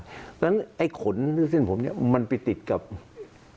เพราะฉะนั้นไอ้ขนหรือเส้นผมเนี่ยมันไปติดกับ